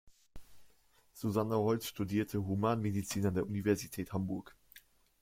Susanne Holst studierte Humanmedizin an der Universität Hamburg.